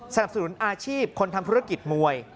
สนุนอาชีพคนทำธุรกิจมวย